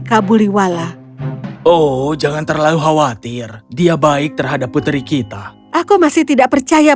kabuliwala oh jangan terlalu khawatir dia baik terhadap putri kita aku masih tidak percaya